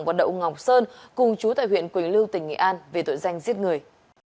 quản đậu ngọc sơn cùng chú tại huyện quỳnh lưu tỉnh nghị an về tội danh giết người